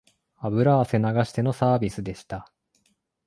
油汗流してのサービスでした